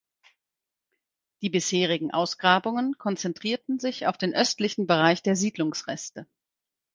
Die bisherigen Ausgrabungen konzentrierten sich auf den östlichen Bereich der Siedlungsreste.